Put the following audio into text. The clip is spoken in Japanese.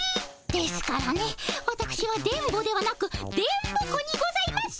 ですからねわたくしは電ボではなく電ボ子にございます。